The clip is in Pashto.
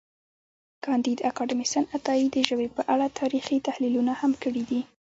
کانديد اکاډميسن عطایي د ژبې په اړه تاریخي تحلیلونه هم کړي دي.